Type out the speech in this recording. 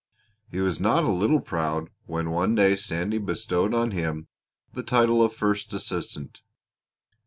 He was not a little proud when one day Sandy bestowed on him the title of first assistant.